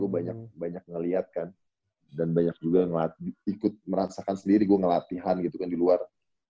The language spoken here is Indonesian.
banyak banyak ngelihat kan dan banyak juga yang ikut merasakan sendiri gue ngelatihan gitu kan di luar